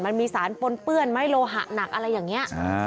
มันมีสารปนเปื้อนไหมโลหะหนักอะไรอย่างนี้